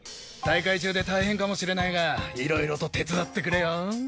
大会中で大変かもしれないがいろいろと手伝ってくれよ。